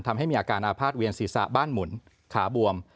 ทำให้มีอาการอาภาษเวียนศีรษะบ้านหมุนขาบวม